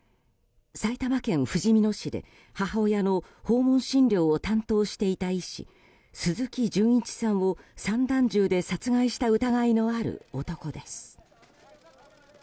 埼玉県ふじみ野市で母親の訪問診療を担当していた医師・鈴木純一さんを、散弾銃で殺害した疑いのある男です。